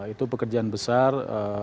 itu pekerjaan besar